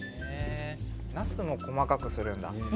なすも細かくするんだ。